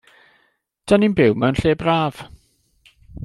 'Dan i'n byw mewn lle braf.